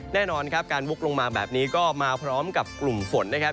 แน่นอนครับการวกลงมาแบบนี้ก็มาพร้อมกับกลุ่มฝนนะครับ